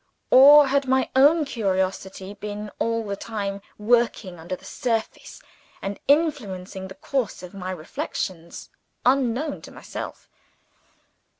Or had my own curiosity been all the time working under the surface, and influencing the course of my reflections unknown to myself?